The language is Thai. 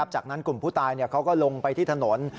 จากนั้นกลุ่มผู้ตายเขาก็ลงไปที่ถนน